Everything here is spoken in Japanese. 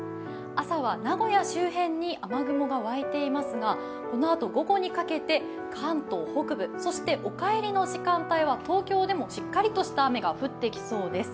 朝は名古屋周辺に雨雲が沸いていますが、このあと午後にかけて関東北部、そしてお帰りの時間帯は東京でもしっかりとした雨が降ってきそうです。